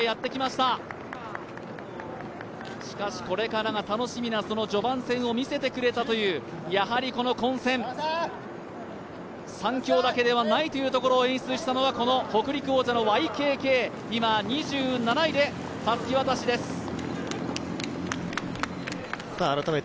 これからが楽しみな序盤戦を見せてくれたというやはり混戦、３強だけではないということを演出したのが北陸王者のＹＫＫ、今、２７位でたすき渡しです。